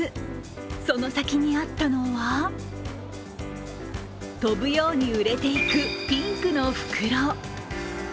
その先にあったのは飛ぶように売れていくピンクの袋。